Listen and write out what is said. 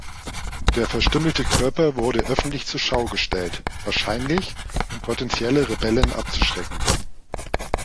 Der verstümmelte Körper wurde öffentlich zur Schau gestellt, wahrscheinlich, um potentielle Rebellen abzuschrecken.